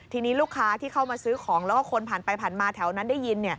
ทีนี้ลูกค้าที่เข้ามาซื้อของแล้วก็คนผ่านไปผ่านมาแถวนั้นได้ยิน